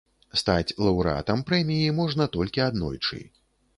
Стаць лаўрэатам прэміі можна толькі аднойчы.